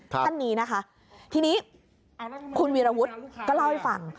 ท่านนี้นะคะทีนี้คุณวีรวุฒิก็เล่าให้ฟัง